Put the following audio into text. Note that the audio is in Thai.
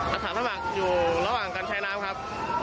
อาหารธรรมักอยู่ระหว่างการใช้น้ำครับ